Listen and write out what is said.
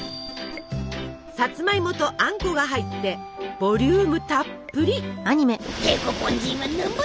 さつまいもとあんこが入ってボリュームたっぷり。